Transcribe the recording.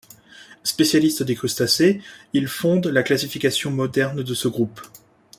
Spécialiste des crustacés, il fonde la classification moderne de ce groupe.